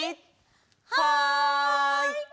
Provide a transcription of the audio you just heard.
はい！